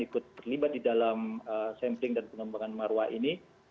ikut terlibat di dalam sampling dan pengembangan marwah ini